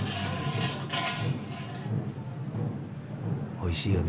おいしいよね。